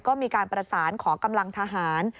ก็มีการประสานขอกำลังทหาร